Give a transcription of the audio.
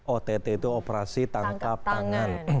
ott itu operasi tangkap tangan